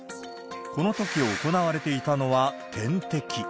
このとき行われていたのは、点滴。